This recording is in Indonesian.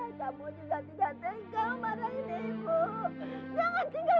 aisyah juga gak punya siapa siapa lagi di sini bu